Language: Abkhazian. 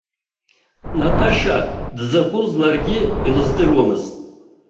Наташа дзакәыз ларгьы илыздыруамызт.